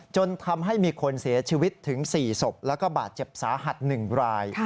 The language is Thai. จนทำให้มีคนเสียชีวิตถึง๔ศพแล้วก็บาดเจ็บสาหัส๑ราย